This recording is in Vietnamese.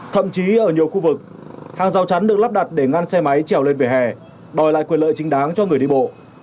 thậm chí ở nhiều khu vực hàng rào chắn được lắp đặt để ngăn xe máy trèo lên vỉa hè đòi lại quyền lợi chính đáng cho người đi bộ